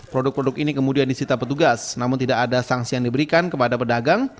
produk produk ini kemudian disita petugas namun tidak ada sanksi yang diberikan kepada pedagang